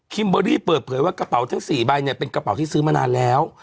เบอรี่เปิดเผยว่ากระเป๋าทั้ง๔ใบเนี่ยเป็นกระเป๋าที่ซื้อมานานแล้ว